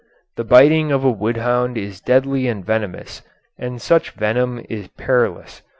The biting of a wood hound is deadly and venomous. And such venom is perilous.